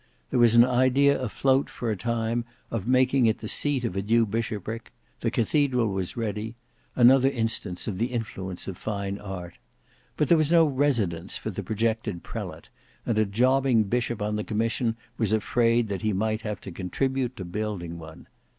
There was an idea afloat for a time of making it the seat of a new bishopric; the cathedral was ready; another instance of the influence of fine art. But there was no residence for the projected prelate, and a jobbing bishop on the commission was afraid that he might have to contribute to building one.